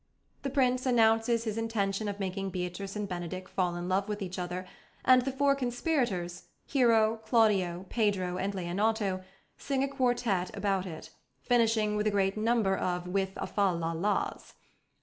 The Prince announces his intention of making Beatrice and Benedick fall in love with each other, and the four conspirators, Hero, Claudio, Pedro, and Leonato, sing a quartet about it, finishing with a great number of "with a fa la la's."